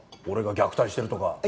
俺が虐待してるとか。